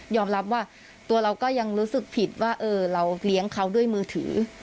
รับว่าตัวเราก็ยังรู้สึกผิดว่าเราเลี้ยงเขาด้วยมือถือ